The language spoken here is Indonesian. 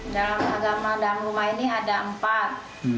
dalam agama dalam rumah ini ada empat